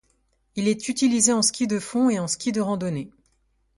Il est utilisé en ski de fond et en ski de randonnée.